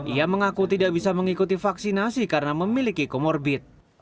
ia mengaku tidak bisa mengikuti vaksinasi karena memiliki comorbid